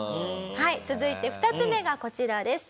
続いて２つ目がこちらです。